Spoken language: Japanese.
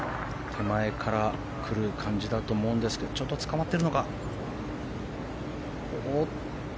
手前からくる感じだと思うんですけどちょっとつかまってるのか。